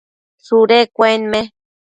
shudu cuenme